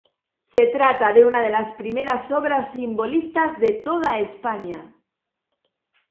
Se trata de una de las primeras obras simbolistas de toda España.